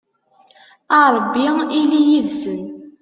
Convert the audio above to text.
a rebbi ili yid-sen